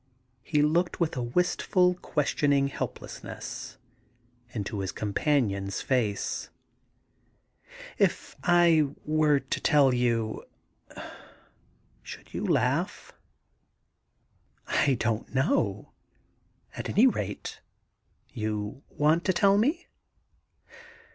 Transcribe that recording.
He looked with a wistful, questioning helplessness into his companion's face. * If I were to tell you, should you laugh ?' 28 THE GARDEN GOD * I don't know. At any rate you want to tell me